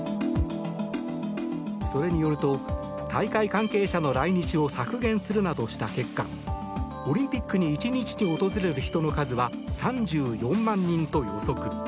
それによると大会関係者の来日を削減するなどした結果オリンピックに１日に訪れる人の数は３４万人と予測。